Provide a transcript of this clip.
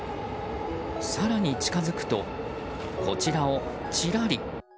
更に近づくと、こちらをチラリ。